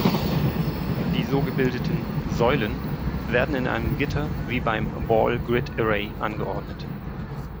Die so gebildeten „Säulen“ werden in einem Gitter wie beim Ball Grid Array angeordnet.